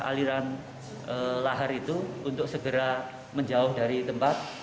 aliran lahar itu untuk segera menjauh dari tempat